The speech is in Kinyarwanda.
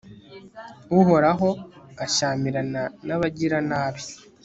uhoraho ashyamirana n'abagiranabi